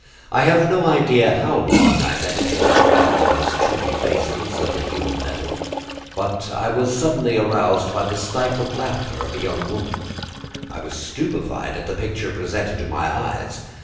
I have no idea how long I meditated upon those two faces of the human medal; but I was suddenly aroused by the stifled laughter of a young woman. I was stupefied at the picture presented to my eyes.